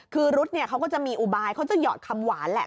คือรุ๊ดเขาก็จะมีอุบายเขาจะหยอดคำหวานแหละ